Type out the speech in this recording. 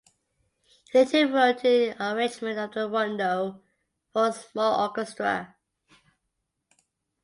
He later wrote an arrangement of the rondo for small orchestra.